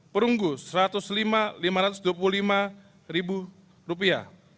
perunggu satu ratus lima lima ratus dua puluh lima ribu rupiah